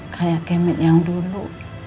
kayak kemet yang dulu